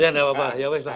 ya gak apa apa ya sudah